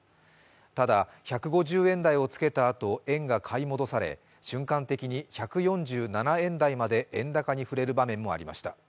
ただ１５０円台をつけたあと円が買い戻され瞬間的に１４７円台まで円高に振れる場面もありました。